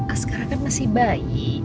askaran kan masih bayi